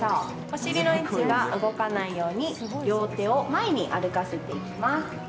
お尻の位置は動かないように、両手を前に歩かせていきます。